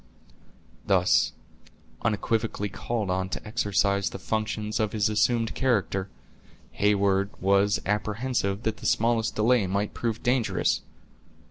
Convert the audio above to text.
Thus unequivocally called on to exercise the functions of his assumed character, Heyward was apprehensive that the smallest delay might prove dangerous.